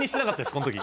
この時。